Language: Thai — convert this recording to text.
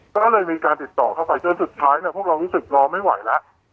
ก็เลยมีการติดต่อเข้าไปจนสุดท้ายเนี่ยพวกเรารู้สึกรอไม่ไหวแล้ว